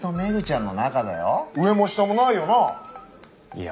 いや。